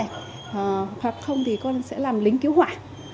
hoặc không thì con sẽ làm lính cứu hỏa